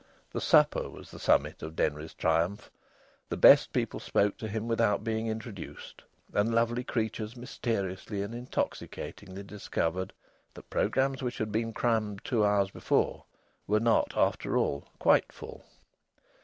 The supper was the summit of Denry's triumph. The best people spoke to him without being introduced. And lovely creatures mysteriously and intoxicatingly discovered that programmes which had been crammed two hours before were not, after all, quite full.